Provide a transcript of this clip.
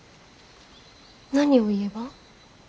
何を言えば？